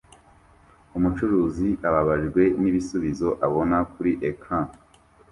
Umucuruzi ababajwe nibisubizo abona kuri ecran